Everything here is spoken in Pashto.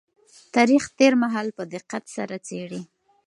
تاريخ تېر مهال په دقت سره څېړي.